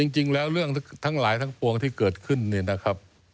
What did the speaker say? จริงแล้วเรื่องทั้งหลายทั้งปวงที่เกิดขึ้นเนี่ยนะครับ